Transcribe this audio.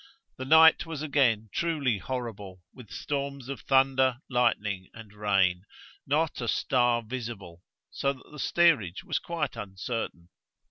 The night was again truly horrible, with storms of thunder, lightning, and rain; not a star visible, so that the steerage was quite uncertain.